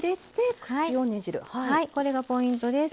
これがポイントです。